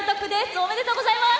おめでとうございます。